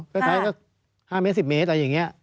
ก็ใช้สัก๕เมตร๑๐เมตรอะไรอย่างนี้